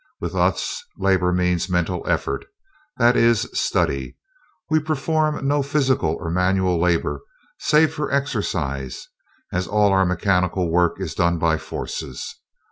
With us, 'labor' means mental effort, that is, study. We perform no physical or manual labor save for exercise, as all our mechanical work is done by forces.